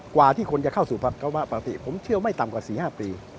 กว่าที่คนจะเข้าสู่ภาวะปกติผมเชื่อไม่ต่ำกว่า๔๕ปี